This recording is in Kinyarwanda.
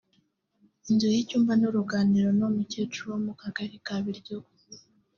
Inzu y’icyumba n’uruganiriro y’umukecuru wo mu Kagari ka Biryogo